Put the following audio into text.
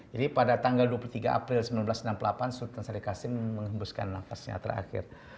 jadi pada tanggal dua puluh tiga april seribu sembilan ratus enam puluh delapan sultan syarif kasim menghembuskan nafasnya terakhir